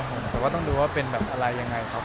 มีงานที่เธอจะมีผลงานหรืออะไรยังไงให้เห็นครับ